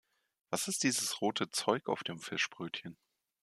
Was ist dieses rote Zeug auf dem Fischbrötchen?